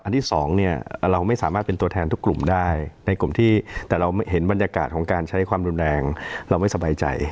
ที่สองเนี่ยเราไม่สามารถเป็นตัวแทนทุกกลุ่มได้ในกลุ่มที่แต่เราเห็นบรรยากาศของการใช้ความรุนแรงเราไม่สบายใจ